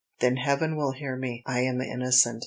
"Then Heaven will hear me; I am innocent.